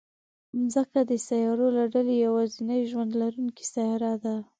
مځکه د سیارو له ډلې یوازینۍ ژوند لرونکې سیاره ده.